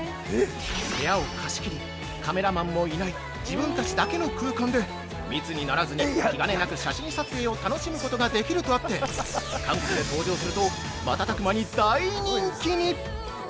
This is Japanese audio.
部屋を貸し切りカメラマンもいない自分たちだけの空間で、密にならずに気兼ねなく写真撮影を楽しむことができるとあって、韓国で登場すると瞬く間に大人気に！